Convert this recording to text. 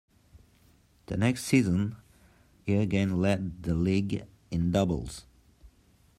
The next season, he again led the league in doubles.